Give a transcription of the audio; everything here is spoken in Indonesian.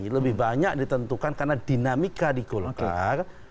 lebih banyak ditentukan karena dinamika di golkar